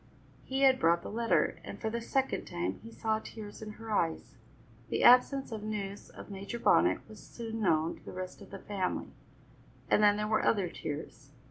He had brought the letter, and for the second time he saw tears in her eyes. The absence of news of Major Bonnet was soon known to the rest of the family, and then there were other tears.